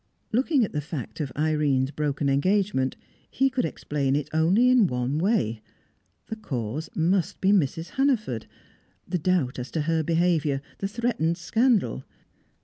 Looking at the fact of Irene's broken engagement, he could explain it only in one way; the cause must be Mrs. Hannaford the doubt as to her behaviour, the threatened scandal.